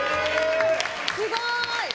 すごい！